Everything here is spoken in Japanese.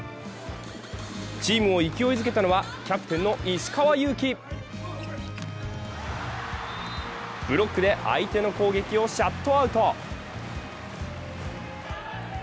チームを勢いづけたのはキャプテンの石川祐希ブロックで相手の攻撃をシャットアウト。